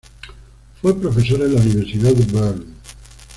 Fue profesor en la Universidad de Bern.